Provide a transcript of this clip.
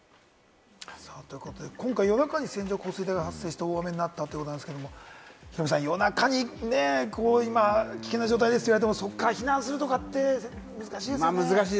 今回、夜中に線状降水帯が発生して大雨になったということですけれど、ヒロミさん、夜中に今危険な状態ですと言われても、そこから避難するって難しいですよね。